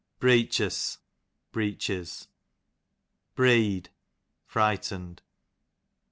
Breechus, breeches. Breed, frightened.